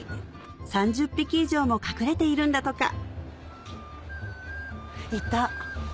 ３０匹以上も隠れているんだとかいた。